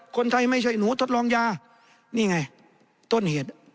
ไม่ใช่หนูทดลองยานี่ไงต้นเหตุ